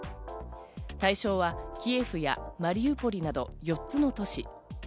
対象はキエフやマリウポリなど４つの都市。